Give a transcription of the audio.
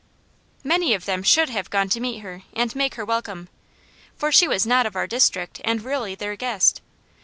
Many of them should have gone to meet her and made her welcome, for she was not of our district and really their guest.